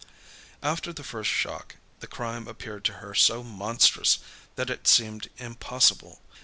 After the first shock, the crime appeared to her so monstrous that it seemed impossible.